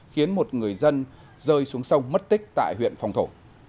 khiến một người dân rơi xuống sông mất tích tại huyện phong thổ